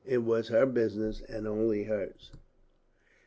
It was her business and only hers.